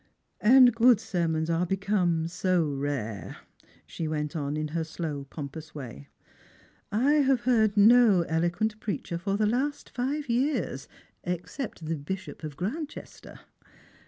"And good sermons are become so rare," she went on in her slow pompous way. " I have heard no eloquent preacher for the last live years, except the Bishop of Granchester."